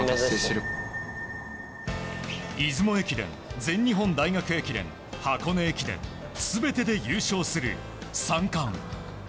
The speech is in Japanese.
出雲駅伝、全日本大学駅伝箱根駅伝の全てで優勝する三冠。